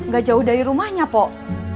gak jauh dari rumahnya pok